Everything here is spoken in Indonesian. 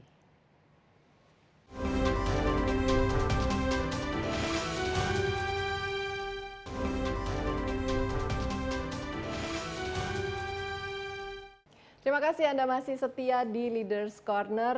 terima kasih anda masih setia di leaders corner